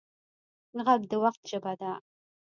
غږ د وخت ژبه ده